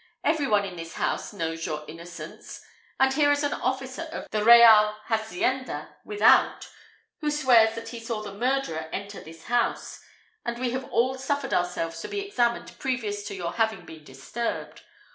Every one in this house knows your innocence; but here is an officer of the real hacienda without, who swears that he saw the murderer enter this house, and we have all suffered ourselves to be examined previous to your having been disturbed.